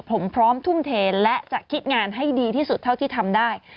ผมพร้อมทุ่มเทและจะคิดงานให้ดีที่สุดเท่าที่ทำได้